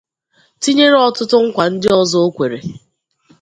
tinyere ọtụtụ nkwà ndị ọzọ o kwere.